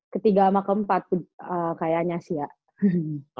ketiga sama keempat kayaknya sih ya